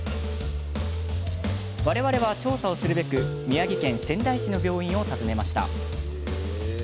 我々は調査をするべく宮城県仙台市の病院を訪ねました。